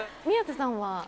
宮世さんは？